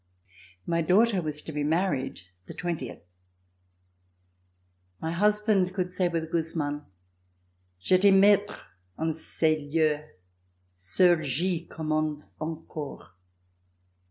My daughter was to be married the twentieth. My husband could say with Guzman: "J'etais maitre en ces lieux, seul j'y commande encore."